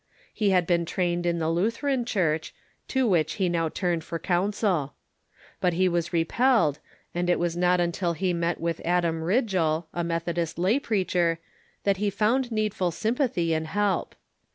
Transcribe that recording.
He had been trained in the Lutheran Church, to which he now turned for counsel. But he Avas re pelled, and it Avas not until he met Avith Adam Ridgel, a Meth odist lay preacher, that he found needful sympathy and help.